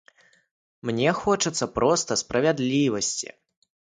Мне хочацца проста справядлівасці.